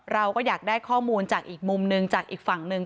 เราก็อยากได้ข้อมูลจากอีกมุมหนึ่งจากอีกฝั่งหนึ่ง